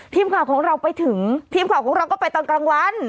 ทีมข่าวของเราไปถึงทีมข่าวของเราก็ไปตอนกลางวัน